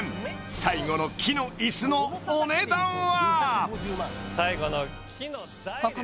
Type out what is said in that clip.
最後の木の椅子のお値段は？